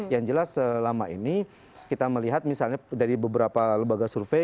yang jelas selama ini kita melihat misalnya dari beberapa lembaga survei